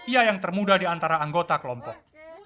ia yang termuda di antara anggota kelompok